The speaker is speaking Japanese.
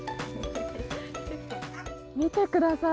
見てください。